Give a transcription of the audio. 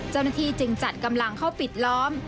เจ้าหน้าที่จึงจัดกำลังเข้าปิดล้อม